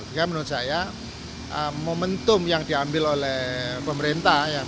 sehingga menurut saya momentum yang diambil oleh pemerintah